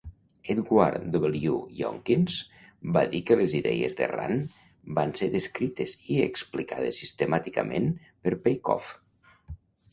Edward W. Younkins va dir que les idees de Rand van ser "descrites i explicades sistemàticament" per Peikoff.